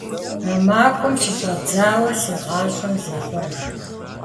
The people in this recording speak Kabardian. А махуэм щыщӀэдзауэ си гъащӀэм зехъуэж.